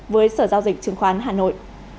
với sở giao dịch chứng khoán hà nội